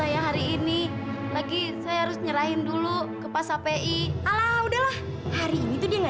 yang hari ini lagi saya harus nyerahin dulu ke pas api ala udah lah hari ini tuh dia nggak